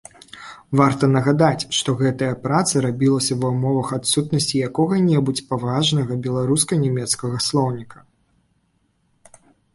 Варта нагадаць, што гэтая праца рабілася ва ўмовах адсутнасці якога-небудзь паважнага беларуска-нямецкага слоўніка.